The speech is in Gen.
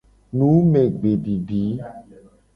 Numegbedidi.